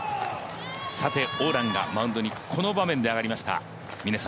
さて、王蘭がマウンドにこの場面で上がりました。